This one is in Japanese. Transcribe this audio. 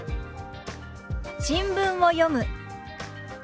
「新聞を読む」。